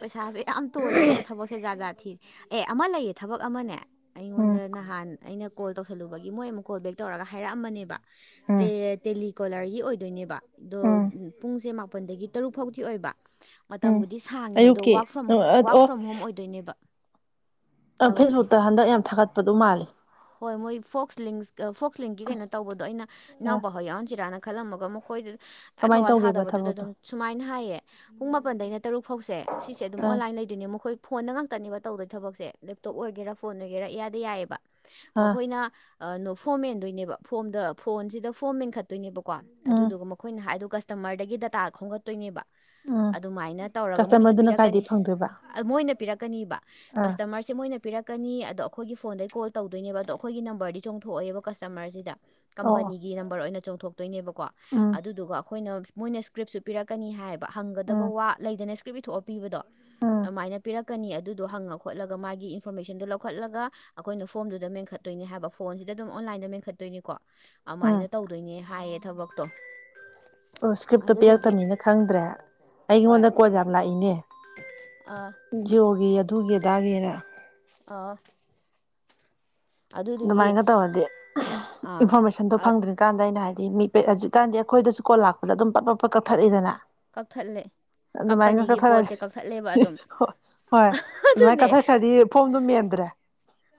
Speaker 2: ꯄꯩꯁꯥꯁꯦ ꯌꯥꯝ ꯇꯣꯜꯂꯦ ꯑꯗꯨꯅ ꯊꯕꯛꯁꯦ ꯖꯥꯠꯖꯥꯠ ꯊꯤꯔꯦ ꯑꯦ ꯑꯃ ꯂꯩꯌꯦ ꯊꯕꯛ ꯑꯃꯅꯦ ꯑꯩꯉꯣꯟꯗ
Speaker 1: ꯎꯝ
Speaker 2: ꯅꯍꯥꯟ ꯑꯩꯅ ꯀꯣꯜ ꯇꯧꯁꯜꯂꯨꯕꯒꯤ ꯃꯣꯏ ꯑꯃꯨꯛ ꯀꯣꯜ ꯕꯦꯛ ꯇꯧꯔꯒ ꯍꯥꯏꯔꯛꯑꯝꯕꯅꯦꯕ
Speaker 1: ꯎꯝ
Speaker 2: ꯗꯦ ꯗꯦꯜꯂꯤ ꯀꯣꯂꯔꯒꯤ ꯑꯣꯏꯗꯣꯏꯅꯦꯕ ꯑꯗꯣ
Speaker 1: ꯎꯝ
Speaker 2: ꯄꯨꯡꯁꯦ ꯃꯥꯄꯜꯗꯒꯤ ꯇꯔꯨꯛ ꯐꯥꯎꯗꯤ ꯑꯣꯏꯕ
Speaker 1: ꯎꯝ
Speaker 2: ꯃꯇꯝꯕꯨꯗꯤ ꯁꯥꯡꯉꯦ ꯑꯗꯣ
Speaker 1: ꯑꯌꯨꯛꯀꯤ
Speaker 2: ꯋꯥꯛ ꯐ꯭ꯔꯣꯝ ꯋꯥꯛ
Speaker 1: ꯑꯣ
Speaker 2: ꯐ꯭ꯔꯣꯝ ꯍꯣꯝ ꯑꯣꯏꯗꯣꯏꯅꯦꯕ
Speaker 1: ꯑ
Speaker 2: ꯊꯕꯛꯁꯦ
Speaker 1: ꯐꯦꯁꯕꯨꯛꯇ ꯍꯟꯗꯛ ꯌꯥꯝ ꯊꯥꯒꯠꯄꯗ ꯃꯥꯜꯂꯦ
Speaker 2: ꯍꯣꯏ ꯃꯣꯏ ꯐꯣꯛꯁ ꯂꯤꯡꯁ ꯐꯣꯛꯁ ꯂꯤꯡꯀꯤ ꯀꯩꯅꯣ ꯇꯧꯕꯗꯣ ꯑꯩꯅ
Speaker 1: ꯑ
Speaker 2: ꯏꯅꯥꯎꯄꯥꯍꫭꯏ ꯌꯥꯎꯍꯟꯁꯤꯔꯥꯅ ꯈꯜꯂꯝꯃꯒ ꯑꯃꯨ ꯑꯩꯈꯣꯏꯗ
Speaker 1: ꯀꯃꯥꯏꯅ
Speaker 2: ꯊꯧꯋꯥ
Speaker 1: ꯇꯧꯒꯦꯕ
Speaker 2: ꯁꯥꯗꯕꯗꯨꯗ
Speaker 1: ꯊꯕꯛꯇꯣ
Speaker 2: ꯑꯗꯨꯝ ꯁꯨꯃꯥꯏꯅ ꯍꯥꯏꯌꯦ ꯄꯨꯡ ꯃꯥꯄꯟꯗꯩꯅ ꯇꯔꯨꯛ ꯐꯥꯎꯁꯦ ꯁꯤꯁꯦ ꯑꯗꯨꯝ
Speaker 1: ꯑꯥ
Speaker 2: ꯑꯣꯟꯂꯥꯏꯟ ꯂꯩ ꯑꯗꯨꯅꯦ ꯃꯈꯣꯏ ꯐꯣꯟꯗ ꯉꯥꯛꯇꯅꯦꯕ ꯇꯧꯗꯣꯏ ꯊꯕꯛꯁꯦ ꯂꯦꯞꯇꯣꯞ ꯑꯣꯏꯒꯦꯔꯥ ꯐꯣꯟ ꯗꯒꯤꯔ ꯏꯌꯥꯗ ꯌꯥꯏꯌꯦꯕ
Speaker 1: ꯑꯥ
Speaker 2: ꯃꯈꯣꯏꯅ ꯐꯣꯝ ꯃꯦꯟꯗꯣꯏꯅꯦꯕ ꯐꯣꯝꯗ ꯐꯣꯟꯁꯤꯗ ꯐꯣꯝ ꯃꯦꯟꯈꯠ ꯇꯣꯏꯅꯦꯕꯀꯣ
Speaker 1: ꯎꯝ
Speaker 2: ꯑꯗꯨꯗꯨꯒ ꯃꯈꯣꯏꯅ ꯍꯥꯏꯗꯣ ꯀꯁꯇꯃꯔꯗꯒꯤ ꯗꯇꯥ ꯈꯣꯝꯒꯠꯇꯣꯏꯅꯦꯕ
Speaker 1: ꯎꯝ
Speaker 2: ꯑꯗꯨꯃꯥꯏꯅ ꯇꯧꯔꯒ ꯃꯣꯏꯅ
Speaker 1: ꯀꯁꯇꯃꯔꯗꯨꯅ ꯀꯥꯏꯗꯒꯤ
Speaker 2: ꯄꯤꯔꯛꯀꯅꯤ
Speaker 1: ꯐꯪꯗꯣꯏꯕ
Speaker 2: ꯃꯣꯏꯅ ꯄꯤꯔꯛꯀꯅꯤꯕ
Speaker 1: ꯑꯥ
Speaker 2: ꯀꯁꯇꯃꯔꯁꯦ ꯃꯣꯏꯅ ꯄꯤꯔꯛꯀꯅꯤ ꯑꯗꯣ ꯑꯩꯈꯣꯏꯒꯤ ꯐꯣꯟꯗꯩ ꯀꯣꯜ ꯇꯧꯗꯣꯏꯅꯦꯕ ꯑꯗꯣ ꯑꯩꯈꯣꯏꯒꯤ ꯅꯝꯕꯔꯗꯤ ꯆꯣꯡꯊꯣꯛꯑꫭꯏꯕ ꯀꯁꯇꯃꯔꯁꯤꯗ
Speaker 1: ꯑꯣ ꯑꯣ
Speaker 2: ꯀꯝꯄꯅꯤꯒꯤ ꯅꯝꯕꯔ ꯑꯣꯏꯅ ꯆꯣꯡꯊꯣꯛꯇꯣꯏꯅꯦꯕꯣ ꯀꯣ
Speaker 1: ꯎꯝ
Speaker 2: ꯑꯗꯨꯗꯨꯒ ꯑꯩꯈꯣꯏꯅ ꯃꯣꯏꯅ ꯏꯁꯀ꯭ꯔꯤꯞꯁꯨ ꯄꯤꯔꯛꯀꯅꯤ ꯍꯥꯏꯌꯦꯕ ꯍꯪꯒꯗꯕ
Speaker 1: ꯎꯝ
Speaker 2: ꯋꯥ ꯂꯩꯗꯅ ꯄꯤꯕꯤ ꯊꯣꯛꯑ ꯄꯤꯕꯗꯣ
Speaker 1: ꯎꯝ
Speaker 2: ꯑꯗꯨꯃꯥꯏꯅ ꯄꯤꯔꯛ ꯀꯅꯤ ꯑꯗꯨꯗꯣ ꯍꯪꯉ ꯈꯣꯠꯂꯒ ꯃꯥꯒꯤ ꯏꯟꯐꯣꯔꯃꯦꯁꯟꯗꯣ ꯂꯧꯈꯠꯂꯒ ꯑꯩꯈꯣꯏꯅ ꯐꯣꯝꯗꯨꯗ ꯃꯦꯟꯈꯠꯇꯣꯏꯅꯤ ꯍꯥꯏꯕ ꯐꯣꯟꯁꯤꯗ ꯑꯗꯨꯝ ꯑꯣꯟꯂꯥꯏꯟꯗ ꯃꯦꯟꯈꯠꯇꯣꯏꯅꯤꯀꯣ
Speaker 1: ꯎꯝ
Speaker 2: ꯑꯗꯨꯃꯥꯏꯅ ꯇꯧꯔ ꯗꫭꯏꯅꯦ ꯍꯥꯏꯌꯦ ꯊꯕꯛꯇꯣ
Speaker 1: ꯑꯣ ꯏꯁꯀ꯭ꯔꯤꯞꯇꯣ
Speaker 2: ꯑꯗꯨꯗꯨꯒꯤ
Speaker 1: ꯄꯤꯔꯛꯀꯅꯤꯅ ꯈꯪꯗ꯭ꯔꯦ
Speaker 2: ꯍꯣꯏ
Speaker 1: ꯑꯩꯉꯣꯟꯗ ꯀꯣꯜ ꯌꯥꯝ ꯂꯥꯛꯏꯅꯦ
Speaker 2: ꯑꯥ
Speaker 1: ꯖꯤꯌꯣꯒꯤ ꯑꯗꯨꯒꯤ ꯑꯗꯥꯒꯤꯅ
Speaker 2: ꯑꫭ
Speaker 1: ꯑꯗꯨꯃꯥꯏꯅ ꯇꯧꯔꯗꯤ
Speaker 2: ꯑꯥ
Speaker 1: ꯏꯟꯐꯣꯔꯃꯦꯁꯟꯗꯣ ꯐꯪꯗ꯭ꯔꯤ ꯀꯥꯟꯗ ꯑꯩꯅ ꯍꯥꯏꯗꯤ ꯃꯤꯠ ꯍꯧꯀꯥꯟꯗꯤ ꯑꯩꯈꯣꯏꯗꯁꯨ ꯀꯣꯜ ꯂꯥꯛꯄꯗ ꯑꯗꯨꯝ ꯄꯠ ꯄꯞ ꯄꯠ ꯀꯛꯊꯠꯂꯤꯗꯅ
Speaker 2: ꯀꯛꯊꯠꯂꯦ
Speaker 1: ꯑꯗꯨꯃꯥꯏꯅꯒ
Speaker 2: ꯀꯝꯄꯅꯤꯒꯤ
Speaker 1: ꯀꯊꯔ
Speaker 2: ꯄꯣꯠꯁꯦ ꯀꯛꯊꯠꯂꯦꯕ ꯑꯗꯨꯝ
Speaker 1: ꯍꯣꯏ ꯑꯗꯨꯃꯥꯏꯅ
Speaker 2: ꯑꯗꯨꯅꯦ
Speaker 1: ꯀꯠꯊꯈ꯭ꯔꯗꯤ ꯐꯣꯝꯗꯨ ꯃꯦꯟꯗ꯭ꯔꯦ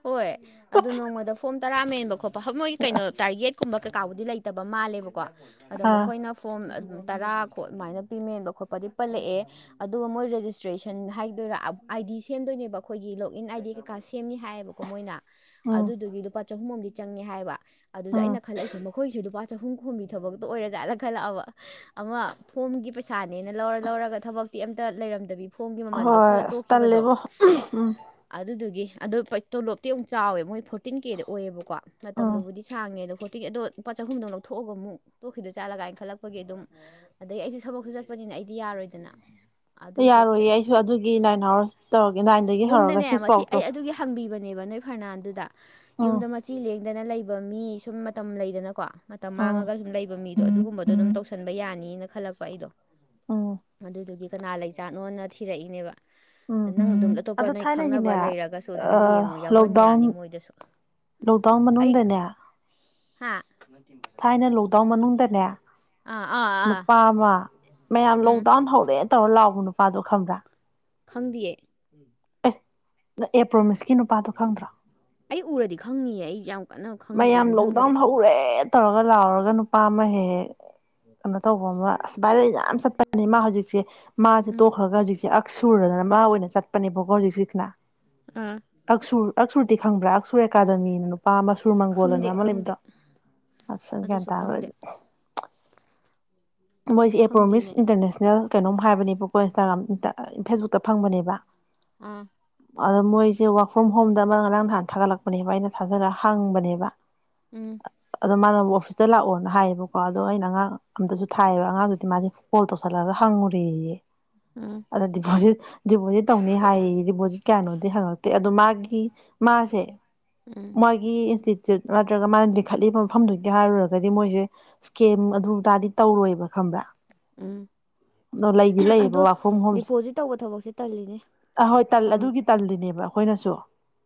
Speaker 2: ꯍꯣꯏ ꯑꯗꯨ ꯅꯣꯡꯃꯗ ꯐꯣꯝ ꯇꯔꯥ ꯃꯦꯟꯕ ꯈꯣꯠꯄꯞ ꯃꯣꯏꯒꯤ ꯀꯩꯅꯣ ꯇꯥꯔꯒꯦꯠ ꯀꯨꯝꯕ ꯀꯩꯀꯥꯕꯨꯗꯤ ꯂꯩꯇꯕ ꯃꯥꯜꯂꯦꯕꯀꯣ ꯑꯗꯣ
Speaker 1: ꯑꯥ
Speaker 2: ꯃꯈꯣꯏꯅ ꯐꯣꯝ ꯑꯗꯨꯝ ꯇꯔꯥ ꯑꯗꯨꯃꯥꯏꯅ ꯄꯤꯃꯦꯟꯕ ꯈꯣꯠꯄꯗꯤ ꯄꯜꯂꯛꯑꯦ ꯑꯗꯨꯒ ꯃꯣꯏ ꯔꯦꯖꯤꯁꯇ꯭ꯔꯦꯁꯟ ꯍꯥꯏꯗꯣꯏꯔꯥ ꯑꯥꯏ ꯗꯤ ꯁꯦꯝꯗꯣꯏꯅꯦꯕ ꯑꯩꯈꯣꯏꯒꯤ ꯂꯣꯒ ꯏꯟ ꯑꯥꯏꯗꯤ ꯀꯩꯀꯥ ꯁꯦꯝꯅꯤ ꯍꯥꯏ ꯑꯗꯨꯒ ꯃꯣꯏꯅ
Speaker 1: ꯎꯝ
Speaker 2: ꯑꯗꯨꯗꯨꯒꯤ ꯂꯨꯄꯥ ꯆꯍꯨꯝ ꯑꯝꯗꯤ ꯆꯪꯉꯦ ꯍꯥꯏꯕ ꯑꯗꯨꯗ
Speaker 1: ꯎꯝ
Speaker 2: ꯑꯩꯅ ꯈꯜꯂꯛꯏꯁꯦ ꯂꫭ ꯑꯩꯈꯣꯏꯁꯨ ꯂꯨꯄꯥ ꯆꯍꯨꯝ ꯈꯣꯝꯒꯤ ꯊꯕꯛꯇꫭ ꯑꯣꯏꯔ ꯖꯥꯠꯂꯈꯠꯂꯛꯑꯕ ꯑꯃ ꯐꯣꯝꯒꯤ ꯄꯩꯁꯥꯅꯦꯅ ꯂꯧꯔ ꯂꯧꯔꯒ ꯊꯕꯛꯇꯤ ꯑꯝꯇ ꯂꯩꯔꯝꯗꯕꯤ ꯐꯣꯡꯒꯤ ꯃꯃꯜ
Speaker 1: ꯍꯣꯏ
Speaker 2: ꯂꯧꯁꯤꯜꯂ
Speaker 1: ꯑꯁ
Speaker 2: ꯇꯣꯛꯈꯤꯕꯗꯣ
Speaker 1: ꯇꯜꯂꯦꯕꯣ ꯎꯝ
Speaker 2: ꯑꯗꯨꯗꯨꯒꯤ ꯑꯗꯣ ꯇꯣꯂꯣꯞꯇꯤ ꯑꯃꯨꯛ ꯆꯥꯎꯋꯦ ꯃꯣꯏ ꯐꯣꯔꯇꯤꯟ ꯀꯦꯗ ꯑꯣꯏꯌꯦꯕꯀꯣ
Speaker 1: ꯎꯝ
Speaker 2: ꯃꯇꯝꯗꯨꯕꯨꯗꯤ ꯁꯥꯡꯅꯦ ꯑꯗꯣ ꯐꯣꯔꯇꯤꯒꯤ ꯑꯗꯣ ꯂꯨꯄꯥ ꯆꯍꯨꯝꯗꯧ ꯂꯧꯊꫭꯛꯑꯒ ꯑꯃꯨꯛ ꯇꯣꯛꯈꯤꯗꯣ ꯖꯥꯠꯂ ꯀꯥꯏꯅ ꯈꯜꯂꯛꯄꯒꯤ ꯑꯗꯨꯝ ꯑꯗꯩ ꯑꯩꯁꯨ ꯊꯕꯛꯁꯨ ꯆꯠꯄꯅꯤꯅ ꯑꯩꯗꯤ ꯌꯥꯔꯣꯏꯗꯅ ꯑꯗꯨꯏ
Speaker 1: ꯌꯥꯔꯣꯏꯌꯦ
Speaker 2: ꯇꯣꯛꯊꯣꯛꯑꯦ
Speaker 1: ꯑꯩꯁꯨ ꯑꯗꯨꯒꯤ ꯅꯥꯏꯟ ꯑꯋꯥꯔꯁ ꯇꯧꯔꯒꯦ ꯅꯥꯏꯟꯗꯒꯤ ꯍꯧꯔꯒ ꯁꯤꯛꯁ ꯐꯥꯎꯛꯇꯣ
Speaker 2: ꯊꯝꯕꯤꯕꯅꯦꯕ ꯅꯣꯏ ꯐꯔꯅꯥꯟꯗꯨꯗ
Speaker 1: ꯎꯝ
Speaker 2: ꯌꯨꯝꯗ ꯆꯤ ꯂꯦꯡꯗꯅ ꯂꯩꯕ ꯃꯤ ꯁꯨꯝ ꯃꯇꯝ ꯂꯩꯗꯅꯀꯣ ꯃꯇꯝ
Speaker 1: ꯎꯝ
Speaker 2: ꯃꯥꯡꯉꯒ ꯁꯨꯝ ꯂꯩꯕ ꯃꯤ [UNINTELLIGIBLE] ꯑꯗꯨꯒꯨꯝꯕꯗꯣ ꯑꯗꯨꯝ ꯇꯧꯁꯟꯕ ꯌꯥꯅꯤꯅ ꯈꯜꯂꯛꯄ ꯑꯩꯗꯣ
Speaker 1: [UNINTELLIGIBLE]
Speaker 2: ꯑꯗꯨꯗꯨꯒꯤ ꯀꯅꯥ ꯂꯩꯖꯥꯠꯅꯣꯅ ꯊꯤꯔꯛꯏꯅꯦꯕ
Speaker 1: ꯎꯝ
Speaker 2: ꯅꯪ ꯑꯗꯨꯝ ꯑꯇꯣꯞꯄ
Speaker 1: ꯑꯗꯣ
Speaker 2: ꯅꯣꯏ ꯈꯪꯅꯕ
Speaker 1: ꯊꯥꯏꯅꯒꯤꯅꯦ
Speaker 2: ꯂꯩꯔꯒꯁꯨ ꯑꯗꯨꯝ ꯌꯦꯡꯉꯣ ꯌꯥꯎꯍꯟ
Speaker 1: ꯂꯣꯛꯗꯥꯎꯟ
Speaker 2: ꯌꯥꯅꯤ ꯃꯣꯏꯗꯁꯨ
Speaker 1: ꯂꯣꯛꯗꯥꯎꯟ
Speaker 2: ꯑꯩ
Speaker 1: ꯃꯅꯨꯡꯗꯅꯦ
Speaker 2: ꯍꯥ
Speaker 1: ꯊꯥꯏꯅ ꯂꯣꯛꯗꯥꯎꯟ ꯃꯅꯨꯡꯗꯅꯦ
Speaker 2: ꯑꯥ ꯑꯥ ꯑꯥ
Speaker 1: ꯅꯨꯄꯥ ꯑꯃ ꯃꯌꯥꯝ
Speaker 2: ꯎꯝ
Speaker 1: ꯂꯣꯛꯗꯥꯎꯟ ꯍꯧꯔꯦ ꯇꯧꯔ ꯂꯥꯎꯕ ꯅꯨꯄꯥꯗꯣ ꯈꯪꯕ꯭ꯔꯥ
Speaker 2: ꯈꯪꯗꯤꯌꯦ
Speaker 1: ꯑꯗ ꯑꯦ ꯄ꯭ꯔꯣꯃꯤꯁꯀꯤ ꯅꯨꯄꯥꯗꯣ ꯈꯪꯗ꯭ꯔꯣ
Speaker 2: ꯑꯩ ꯎꯔꯗꯤ ꯈꯪꯅꯤꯡꯌꯦ ꯑꯩ ꯌꯥꯝ ꯀꯟꯅ ꯈꯪꯗ꯭ꯔꯦ
Speaker 1: ꯃꯌꯥꯝ
Speaker 2: ꯅꯤꯡꯁꯤꯡꯗ꯭ꯔꯦ
Speaker 1: ꯂꯣꯛꯗꯥꯎꯟ ꯍꯧꯔꯦ ꯇꯧꯔꯒ ꯂꯥꯎꯔꯒ ꯅꯨꯄꯥ ꯑꯃ ꯍꯦꯛ ꯍꯦꯛ ꯀꯩꯅꯣ ꯇꯧꯕ ꯑꯃ ꯑꯁ ꯚꯥꯏꯗ ꯌꯥꯝ ꯆꯠꯄꯅꯤ ꯃꯥ ꯍꯧꯖꯤꯛꯁꯦ ꯃꯥꯁꯦ
Speaker 2: ꯎꯝ
Speaker 1: ꯇꯣꯛꯈ꯭ꯔꯒ ꯍꯧꯖꯤꯛꯁꯦ ꯁꯨꯔꯅ ꯑꯃ ꯑꯣꯏꯅ ꯆꯠꯄꯅꯦꯕꯀꯣ ꯍꯧꯖꯤꯛ [UNINTELLIGIBLE]
Speaker 2: [UNINTELLIGIBLE]
Speaker 1: ꯑꯛꯁꯨꯔꯗꯤ ꯈꯪꯕ꯭ꯔꯥ ꯑꯛꯁꯣꯔ ꯑꯦꯀꯥꯗꯃꯤꯅ ꯅꯨꯄꯥ ꯑꯃꯁ ꯁꯨꯔ ꯃꯪꯒꯣꯜ ꯑꯅ
Speaker 2: ꯈꯪꯗꯦ
Speaker 1: ꯑꯃ
Speaker 2: ꯈꯪꯗꯦ
Speaker 1: ꯂꯩꯕꯗꯣ ꯑꯁ ꯒ꯭ꯌꯥꯟ
Speaker 2: ꯑꯗꯨꯁꯨ
Speaker 1: ꯇꯥ ꯂꯣꯏ
Speaker 2: ꯈꯪꯗꯦ
Speaker 1: ꯃꯣꯏꯁꯦ
Speaker 2: ꯈꯪꯗꯦꯅꯦ
Speaker 1: ꯑꯦꯄ꯭ꯔꯣꯃꯤꯁ ꯏꯟꯇꯔꯅꯦꯁꯅꯦꯜ ꯀꯩꯅꯣꯝ ꯍꯥꯏꯕꯅꯦꯕꯀꯣ ꯏꯟꯁꯇꯥꯒ꯭ꯔꯥꯝ ꯐꯦꯁꯕꯨꯛꯇ ꯐꯪꯕꯅꯦꯕ
Speaker 2: ꯑꯥ
Speaker 1: ꯑꯗꯣ ꯃꯣꯏꯁꯦ ꯋꯥꯛ ꯐ꯭ꯔꯣꯝ ꯍꯣꯝꯗ ꯑꯃ ꯉꯔꯥꯡ ꯅꯍꯥꯟ ꯊꯥꯒꯠꯂꯛꯄꯅꯦꯕ ꯑꯩꯅ ꯊꯥꯖꯔꯒ ꯍꯥꯡꯕꯅꯦꯕ
Speaker 2: ꯎꯝ
Speaker 1: ꯑꯗꯣ ꯃꯥꯅ ꯑꯣꯐꯤꯁꯇ ꯂꯥꯛꯑꯣꯅ ꯍꯥꯏꯌꯦꯕꯀꯣ ꯑꯗꯣ ꯑꯩꯅ ꯑꯉꯥꯡ ꯑꯝꯗꯁꯨ ꯊꯥꯏꯕ ꯑꯉꯥꯡꯗꯨꯗꯤ ꯃꯥꯗꯤ ꯐꯣꯜ ꯇꯧꯁꯜꯂꯛꯂꯒ ꯍꯪꯉꯨꯔꯦꯌꯦ
Speaker 2: [UNINTELLIGIBLE]
Speaker 1: ꯑꯗ ꯗꯤꯄꯣꯖꯤꯠ ꯗꯤꯄꯣꯖꯤꯠ ꯇꯧꯅꯤ ꯍꯥꯏꯌꯦ ꯗꯤꯄꯣꯖꯤꯠ ꯀꯌꯥꯅꯣꯗꯤ ꯍꯪꯉꯛꯇꯦ ꯑꯗꯣ ꯃꯥꯒꯤ ꯃꯥꯁꯦ
Speaker 2: ꯎꯝ
Speaker 1: ꯃꯣꯏꯒꯤ ꯏꯟꯁꯇꯤꯇ꯭ꯌꯨꯠ ꯅꯠꯇ꯭ꯔꯒ ꯃꯥꯅ ꯂꯤꯡꯈꯠꯂꯤꯕ ꯃꯐꯝꯗꯨꯒꯤ ꯍꯥꯏꯔꯨꯔꯒꯗꯤ ꯃꯣꯏꯁꯦ ꯏꯁꯀꯦꯝ ꯑꯗꯨ ꯇꯔꯗꯤ ꯇꯧꯔꯣꯏꯕ ꯈꯪꯕ꯭ꯔꯥ
Speaker 2: ꯎꯝ
Speaker 1: ꯑꯗꯣ ꯂꯩꯗꯤ ꯂꯩꯌꯦꯕ
Speaker 2: ꯑꯗꯣ
Speaker 1: ꯋꯥꯔꯛ ꯐ꯭ꯔꯣꯝ ꯍꯣꯝꯁꯦ
Speaker 2: ꯗꯤꯄꯣꯖꯤꯠ ꯇꯧꯕ ꯊꯕꯛꯁꯦ ꯇꯜꯂꯤꯅꯦ
Speaker 1: ꯑꯍꯣꯏ ꯇꯜ ꯑꯗꯨꯒꯤ ꯇꯜꯂꯤꯅꯦꯕ ꯑꯩꯈꯣꯏꯅꯁꯨ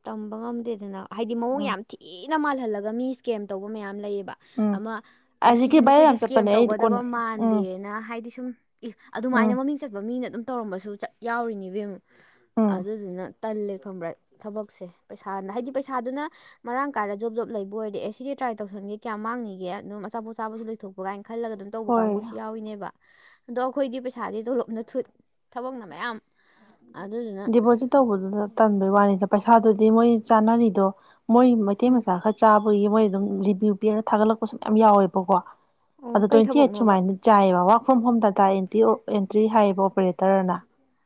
Speaker 2: ꯇꯝꯕ ꯉꯝꯗꯦꯗꯅ ꯍꯥꯏꯗꯤ ꯃꯑꯣꯡ
Speaker 1: ꯎꯝ
Speaker 2: ꯌꯥꯝ ꯊꯤꯅ ꯃꯥꯜꯍꯜꯂꯒ ꯃꯤ ꯏꯁꯀꯦꯝ ꯇꯧꯕ ꯃꯌꯥꯝ ꯂꯩꯌꯦꯕ
Speaker 1: ꯎꯝ
Speaker 2: ꯑꯃ ꯑꯦ
Speaker 1: ꯑꯁꯤꯒꯤ
Speaker 2: ꯁꯤꯗꯤ
Speaker 1: ꯚꯥꯏꯔꯦꯜ
Speaker 2: ꯃꯈꯣꯏꯗꯤ
Speaker 1: ꯌꯥꯝ
Speaker 2: ꯏꯁꯀꯦꯝ
Speaker 1: ꯆꯠꯄꯅꯦ ꯑꯩ ꯀꯣꯟꯅ
Speaker 2: ꯇꯧꯒꯗꯕ
Speaker 1: ꯎꯝ
Speaker 2: ꯃꯥꯟꯗꯦꯅ ꯍꯥꯏꯗꯤ ꯁꯨꯝ ꯏ ꯑꯗꯨꯃꯥꯏꯅ
Speaker 1: ꯎꯝ
Speaker 2: ꯃꯃꯤꯡ ꯆꯠꯄ ꯃꯤꯅ ꯑꯗꯨꯝ ꯇꯧꯔꯝꯕꯁꯨ ꯆꯠ ꯌꯥꯎꯔꯤꯅꯤꯕꯦꯝ
Speaker 1: ꯎꯝ
Speaker 2: ꯑꯗꯨꯗꯨꯅ ꯇꯜꯂꯦ ꯈꯪꯕ꯭ꯔꯥ ꯊꯕꯛꯁꯦ ꯄꯩꯁꯥꯅ ꯍꯥꯏꯗꯤ ꯄꯩꯁꯥꯗꯨꯅ ꯃꯔꯥꯡ ꯀꯥꯏꯅ ꯖꯣꯕ ꯖꯣꯕ ꯂꯩꯕ ꯑꯣꯏꯔꯗꯤ ꯑꯦ ꯁꯤꯗꯤ ꯇ꯭ꯔꯥꯏ ꯇꯧꯁꯟꯒꯦ ꯀꯌꯥꯝꯥꯡꯉꯒꯦ ꯑꯗꯨꯝ ꯑꯆꯥꯄꯣꯠꯆꯥꯕꯁꯨ ꯂꯩꯊꯣꯛꯄ ꯀꯥꯏꯅ ꯈꯜꯂꯒ ꯑꯗꯨꯝ ꯇꯧꯕ
Speaker 1: ꯍꯣꯏ
Speaker 2: ꯀꯥꯡꯕꯨꯁꯨ ꯌꯥꯎꯔꯤꯅꯦꯕ ꯑꯗꯣ ꯑꯩꯈꯣꯏꯗꯤ ꯄꯩꯁꯥꯗꯤ ꯇꯣꯂꯣꯞꯅ ꯊꯨꯠ ꯊꯕꯛꯅ ꯃꯌꯥꯝ ꯑꯗꯨꯗꯨꯅ
Speaker 1: ꯗꯤꯄꯣꯖꯤꯠ ꯇꯧꯕꯗꯨꯗ ꯇꯟꯕꯩ ꯋꯥꯅꯤꯗ ꯄꯩꯁꯥꯗꯨꯗꯤ ꯃꯣꯏ ꯆꯥꯅꯔꯤꯗꯣ ꯃꯣꯏ ꯃꯩꯇꯩ
Speaker 2: ꯎꯝ
Speaker 1: ꯃꯆꯥ ꯈ ꯆꯥꯕꯒꯤ ꯃꯣꯏ ꯑꯗꯨꯝ ꯕꯤꯌꯨ ꯄꯤꯔꯒ ꯊꯥꯒꯠꯂꯛꯄꯁꯨ ꯃꯌꯥꯝ ꯌꯥꯎꯋꯦꯕꯀꯣ
Speaker 2: ꯑꯣ
Speaker 1: ꯑꯗꯣ
Speaker 2: ꯀꯩ
Speaker 1: ꯇ꯭ꯋꯦꯟꯇꯤ ꯑꯩꯠ
Speaker 2: ꯊꯕꯛꯅꯣꯕ
Speaker 1: ꯁꯨꯃꯥꯏꯅ ꯆꯥꯏꯑꯕ work from home data entry entry ꯍꯥꯏꯌꯦꯕ ꯑꯣꯄꯔꯦꯇꯔꯅ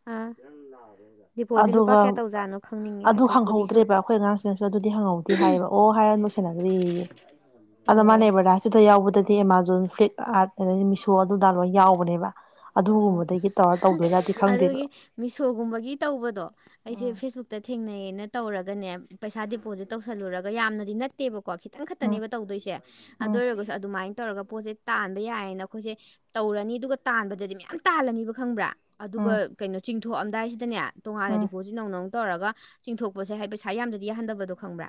Speaker 2: [INAUDIBLE] ꯂꯨꯄꯥ
Speaker 1: ꯑꯗꯨꯒ
Speaker 2: ꯀꯌꯥ ꯇꯧꯖꯥꯠꯅꯣ ꯈꯪꯅꯤꯡꯉꯦ
Speaker 1: ꯑꯗꯨ
Speaker 2: ꯍꯥꯏꯐꯦꯠꯄꯨꯗꯤ ꯁꯨꯝ
Speaker 1: ꯍꯪꯍꯧꯗ꯭ꯔꯦꯕ ꯑꯩꯈꯣꯏ ꯑꯉꯥꯡꯁꯤꯡꯅꯁꯨ ꯑꯗꯨꯗꯤ ꯍꯪꯍꯧꯗꯦ ꯍꯥꯏꯌꯦꯕ ꯑꯣ ꯍꯥꯏꯔ ꯁꯦꯟꯅꯈ꯭ꯔꯔꯤꯌꯦ ꯑꯗꯣ
Speaker 2: ꯑꯣ
Speaker 1: ꯃꯥꯅꯦꯕꯗꯥꯁꯤꯗ ꯌꯥꯎꯕꯗꯗꯤ ꯑꯦꯃꯥꯖꯣꯟ ꯐ꯭ꯂꯤꯞꯀꯥꯔꯠ ꯑꯗꯗꯤ ꯃꯤꯁꯣ ꯑꯗꯨꯗꯥ ꯂꯣꯏ ꯌꯥꯎꯕꯅꯦꯕ
Speaker 2: ꯑꯣ
Speaker 1: ꯑꯗꯨꯒꯨꯝꯕꯗꯒꯤ ꯇꯧꯔ ꯇꯧꯗꯣꯏ ꯇꯗꯤ ꯈꯪꯗꯦꯕ
Speaker 2: ꯑꯗꯨꯒꯤ ꯃꯤꯁꯣꯒꯨꯝꯕꯒꯤ ꯇꯧꯕꯗꯣ ꯑꯩꯁꯦ
Speaker 1: ꯎꯝ
Speaker 2: ꯐꯦꯁꯕꯨꯛ ꯇ ꯊꯦꯡꯅꯩꯌꯦꯅ ꯇꯧꯔꯒꯅꯦ ꯄꯩꯁꯥ ꯗꯤꯄꯣꯖꯤꯠ ꯇꯧꯁꯜꯂꯨꯔꯒ ꯌꯥꯝꯅꯗꯤ ꯅꯠ ꯅꯠꯇꯦꯕꯀꯣ ꯈꯤꯇꯪ
Speaker 1: ꯎꯝ
Speaker 2: ꯈꯛꯇꯅꯦꯕ ꯇꯧꯗꯣꯏꯁꯦ ꯑꯗꯨ
Speaker 1: ꯎꯝ
Speaker 2: ꯑꯣꯏꯔꯒꯁꯨ ꯑꯗꯨꯃꯥꯏꯅ ꯇꯧꯔꯒ ꯄꯣꯠꯁꯦ ꯇꯥꯟꯕ ꯌꯥꯏꯌꯦꯅ ꯑꯩꯈꯣꯏꯁꯦ ꯇꯧꯔꯅꯤ ꯑꯗꯨꯒ ꯇꯥꯟꯕꯗꯗꯤ ꯃꯌꯥꯝ ꯇꯥꯜꯂꯅꯤꯕ ꯈꯪꯕ꯭ꯔꯥ ꯑꯗꯨꯒ
Speaker 1: ꯎꯝ
Speaker 2: ꯀꯩꯅꯣ ꯆꯤꯡꯊꯣꯛꯑꯝꯗꯥꯏꯁꯤꯗꯅꯦ ꯇꯣꯉꯥꯟꯅ
Speaker 1: ꯎꯝ
Speaker 2: ꯗꯤꯄꯣꯖꯤꯠ ꯅꯧꯅ ꯇꯧꯔꯒ ꯆꯤꯡꯊꯣꯛꯄꯁꯦ ꯍꯥꯏ ꯄꯩꯁꯥ ꯌꯥꯝꯗꯗꯤ ꯌꯥꯍꯟꯗꯕꯗꯣ ꯈꯪꯕ꯭ꯔꯥ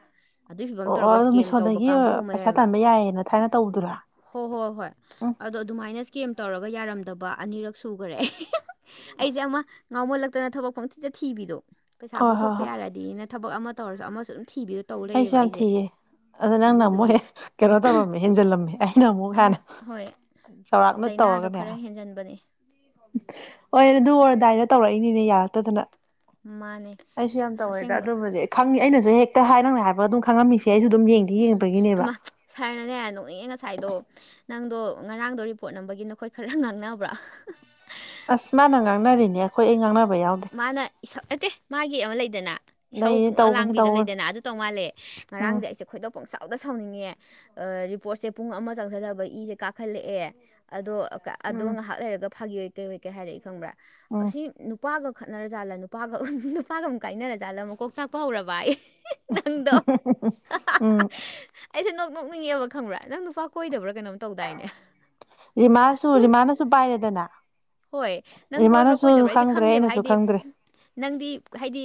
Speaker 2: ꯑꯗꯨꯏ ꯐꯤꯕꯝ
Speaker 1: ꯑꯣ ꯑꯣ
Speaker 2: ꯇꯧꯔꯒ
Speaker 1: ꯑꯗꯨ
Speaker 2: ꯏꯁꯀꯦꯝ ꯇꯧꯕ
Speaker 1: ꯃꯤꯁꯣꯗꯒꯤ
Speaker 2: ꯀꯥꯡꯕꯨ ꯑꯃ
Speaker 1: ꯄꯩꯁꯥ
Speaker 2: ꯂꯩꯕ
Speaker 1: ꯇꯥꯟꯕ ꯌꯥꯏꯌꯦꯅ ꯊꯥꯏꯅ ꯇꯧꯕꯗꯨꯔꯥ
Speaker 2: ꯍꯣꯏ ꯍꯣꯏ ꯍꯣꯏ ꯑꯗꯣ ꯑꯗꯨꯃꯥꯏꯅ ꯏꯁꯀꯦꯝ ꯇꯧꯔꯒ ꯌꯥꯔꯝꯗꯕ ꯑꯅꯤꯔꯛ ꯁꯨꯈꯔꯦ ꯑꯩꯁꯦ ꯑꯃ ꯉꯥꯎꯃꯣꯜꯂꯛꯇꯅ ꯊꯕꯛ ꯄꯪꯊꯤꯖ ꯊꯤꯕꯤꯗꯣ ꯄꯩꯁꯥ
Speaker 1: ꯍꯣꯏ ꯍꯣꯏ
Speaker 2: ꯄꯨꯊꯣꯛꯄ
Speaker 1: ꯍꯣꯏ
Speaker 2: ꯌꯥꯔꯗꯤꯅ ꯊꯕꯛ ꯑꯃ ꯇꯧꯔꯁꯨ ꯑꯃꯁꯨ ꯑꯗꯨꯝ ꯊꯤꯕꯗ ꯇꯧ
Speaker 1: ꯑꯩꯁꯨ
Speaker 2: ꯂꯩꯌꯦꯕ
Speaker 1: ꯌꯥꯝ
Speaker 2: ꯑꯩꯁꯦ
Speaker 1: ꯊꯤꯌꯦ ꯑꯗ ꯅꯪꯅ ꯑꯃꯨꯛ
Speaker 2: ꯑꯗꯨꯗꯨꯒꯤ
Speaker 1: ꯍꯦꯛ ꯀꯩꯅꯣ ꯇꯧꯔꯝꯃꯦ ꯍꯦꯟꯖꯤꯜꯂꯝꯃꯦ ꯑꯩꯅ ꯑꯃꯨꯛ
Speaker 2: ꯑꯩꯅ
Speaker 1: ꯍꯥꯟꯅ ꯆꯥꯎꯧꯔꯥꯛꯅ ꯇꯧꯔꯒꯅꯦ
Speaker 2: ꯍꯦꯟꯖꯟꯕꯅꯤ
Speaker 1: ꯍꯣꯏ ꯑꯗꯨ ꯑꯣꯏꯔꯗꯥꯏꯗ ꯇꯧꯔꯛꯏꯅꯤꯅꯦ ꯌꯥꯔꯛꯇꯗꯅ
Speaker 2: ꯃꯥꯅꯦ
Speaker 1: ꯑꯩꯁꯨ ꯌꯥꯝ
Speaker 2: ꯑꯁ
Speaker 1: ꯇꯧꯋꯦꯗ
Speaker 2: ꯑꯁꯦꯡꯕ
Speaker 1: ꯑꯗꯨꯕꯨꯗꯤ ꯈꯪꯉꯤ ꯑꯩꯅꯁꯨ ꯍꯦꯛꯇ ꯍꯥꯏ ꯅꯪꯅ ꯍꯥꯏꯕ ꯑꯗꯨꯝ ꯈꯪꯂꯝꯃꯤꯁꯦ ꯑꯩꯁꯨ ꯑꯗꯨꯝ ꯌꯦꯡꯉ
Speaker 2: ꯎꯝ ꯑꯃ ꯁꯥꯔꯅꯅꯦ ꯅꯣꯛꯅꯤꯡꯑ ꯉꯁꯥꯏꯗꯣ ꯅꯪꯗꯣ ꯉꯔꯥꯡꯗꯣ ꯔꯤꯄꯣꯔꯠ ꯅꯝꯕꯒꯤ ꯅꯈꯣꯏ ꯈꯔ ꯉꯥꯡꯅꯕ꯭ꯔꯥ
Speaker 1: ꯑꯁ ꯃꯥꯟꯅꯥꯡꯅꯔꯤꯅꯦ ꯑꯩꯈꯣꯏ ꯑꯦꯡꯉꯥꯡꯅꯥꯕꯎ
Speaker 2: ꯃꯥꯅ ꯏꯁꯛ ꯅꯠꯇꯦ ꯃꯥꯒꯤ ꯑꯃ ꯂꯩꯗꯅ ꯏꯁꯧ
Speaker 1: ꯂꯩ
Speaker 2: ꯄꯛꯂꯞ
Speaker 1: ꯇꯧꯕꯅꯤ
Speaker 2: ꯂꯥꯡꯕꯤꯗꯅ
Speaker 1: ꯇꯧꯕꯅꯤ
Speaker 2: ꯂꯩꯗꯅ ꯑꯗꯨ ꯇꯧ ꯃꯥꯜꯂꯦ
Speaker 1: ꯎꯝ
Speaker 2: ꯉꯔꯥꯡꯗꯤ ꯑꯩꯁꯦ ꯈꯣꯏꯗꯣꯛ ꯄꯆꯞ ꯐꯥꯎꯗ ꯁꯥꯎꯅꯤꯡꯉꯦ ꯔꯤꯄꯣꯔꯠꯁꯦ ꯄꯨꯡ ꯑꯃ ꯆꯪꯁꯤꯗꯕ ꯏꯁꯦ ꯀꯥꯈꯠꯂꯛꯑꯦ ꯑꯗꯣ ꯑꯗꯣ
Speaker 1: ꯎꯝ
Speaker 2: ꯉꯥꯏꯍꯥꯛ ꯂꯩꯔꯒ ꯐꯥꯒꯤꯑꯣꯏ ꯀꯩ ꯍꯣꯏ ꯀꯩ ꯍꯥꯏꯔꯛꯏ ꯈꯪꯕ꯭ꯔꯥ
Speaker 1: ꯎꯝ
Speaker 2: ꯑꯁꯤ ꯅꯨꯄꯥꯒ ꯈꯠꯅꯔꯖꯥꯠꯂ ꯅꯨꯄꯥꯒ ꯅꯨꯄꯥꯒ ꯑꯃꯨꯛ ꯀꯥꯏꯅꯔꯖꯥꯠꯂ ꯃꯀꯣꯛ ꯆꯥꯛꯄ ꯍꯧꯔꯕ ꯑꯩ ꯅꯪꯗꯣ
Speaker 1: ꯎꯝ
Speaker 2: ꯑꯩꯁꯦ ꯅꯣꯛ ꯅꯣꯛꯅꯤꯡꯉꯦꯕ ꯈꯪꯕ꯭ꯔꯥ ꯅꯪ ꯅꯨꯄꯥ ꯀꯣꯏꯗꯕ꯭ꯔꯥ ꯀꯩꯅꯣꯝ ꯇꯧꯗꯥꯏꯅꯦ
Speaker 1: ꯔꯤꯃꯥꯁꯨ
Speaker 2: ꯀꯣꯏ
Speaker 1: ꯔꯤꯃꯥꯅꯁꯨ ꯄꯥꯏꯔꯦꯗꯅ
Speaker 2: ꯍꯣꯏ ꯅꯪ ꯀꯣꯏꯕ꯭ꯔꯥ
Speaker 1: ꯔꯤꯃꯥꯅꯁꯨ
Speaker 2: ꯀꯣꯏꯗꯕ꯭ꯔꯥ ꯑꯩꯁꯦ
Speaker 1: ꯈꯪꯗ꯭ꯔꯦ
Speaker 2: ꯈꯪꯗꯦꯕ
Speaker 1: ꯑꯩꯅꯁꯨ
Speaker 2: ꯍꯥꯏꯗꯤ
Speaker 1: ꯈꯪꯗ꯭ꯔꯦ
Speaker 2: ꯅꯪꯗꯤ ꯍꯥꯏꯗꯤ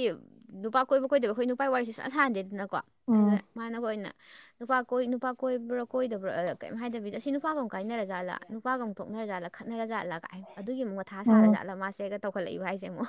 Speaker 2: ꯅꯨꯄꯥ ꯀꯣꯏꯕ ꯀꯣꯏꯗꯕ ꯑꯩꯈꯣꯏ ꯅꯨꯄꯥ ꯋꯥꯔꯤꯁꯤ ꯁꯨꯟꯊꯥꯟꯗꯦꯗꯅꯀꯣ
Speaker 1: ꯎꯝ
Speaker 2: ꯑꯗ ꯃꯅꯕ ꯑꯣꯏꯅ ꯅꯨꯄꯥ ꯀꯣꯏ ꯅꯨꯄꯥ ꯀꯣꯏꯕ꯭ꯔꯥ ꯀꯣꯏꯗꯕ꯭ꯔꯥ ꯀꯩꯝ ꯍꯥꯏꯗꯕꯤꯗ ꯁꯤ ꯅꯨꯄꯥꯒ ꯑꯃꯨ ꯀꯥꯏꯅꯖꯥꯠꯂ ꯅꯨꯄꯥꯒ ꯑꯃꯨ ꯊꯣꯛꯅꯔꯖꯥꯠꯂ ꯈꯠꯅꯔꯖꯥꯠꯂꯒꯥꯏ ꯑꯗꯨꯒꯤ ꯑꯃꯨꯛꯊꯥ
Speaker 1: ꯎꯝ
Speaker 2: ꯁꯥꯔ ꯖꯠꯂ ꯃꯥꯁꯦꯒꯧꯠꯂꯏꯕꯁꯦ ꯑꯃꯨꯛ